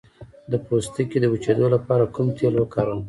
د پوستکي د وچیدو لپاره کوم تېل وکاروم؟